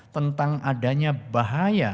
tentang adanya bahaya